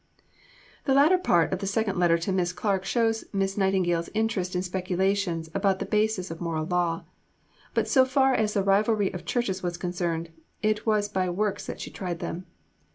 The latter part of the second letter to Miss Clarke shows Miss Nightingale's interest in speculations about the basis of moral law; but so far as the rivalry of Churches was concerned, it was by works that she tried them.